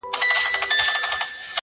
مرگ حقه پياله ده.